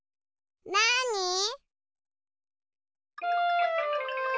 なに？